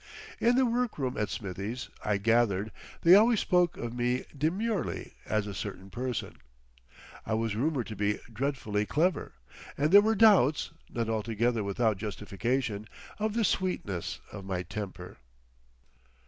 In the workroom at Smithie's, I gathered, they always spoke of me demurely as "A Certain Person." I was rumoured to be dreadfully "clever," and there were doubts—not altogether without justification—of the sweetness of my temper.